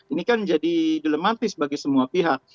ini kan jadi dilematis bagi semua pihak